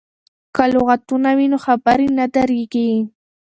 که لغتونه وي نو خبرې نه دریږي.